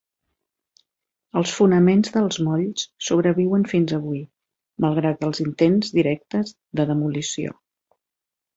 Els fonaments dels molls sobreviuen fins avui, malgrat els intents directes de demolició.